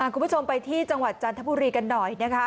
คุณผู้ชมไปที่จังหวัดจันทบุรีกันหน่อยนะคะ